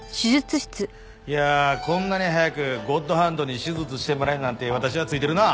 いやあこんなに早くゴッドハンドに手術してもらえるなんて私はついてるな！